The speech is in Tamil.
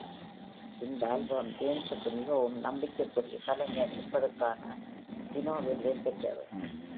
இந்த ஆல்பம் ஜேம்ஸுக்கு "மிகவும் நம்பிக்கைக்குரிய கலைஞர்" என்பதுக்கான ஜூனோ விருதைப் பெற்றது.